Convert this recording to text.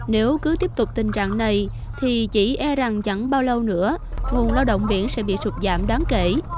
nếu cứ tiếp tục tình trạng này thì chỉ e rằng chẳng bao lâu nữa nguồn lao động biển sẽ bị sụt giảm đáng kể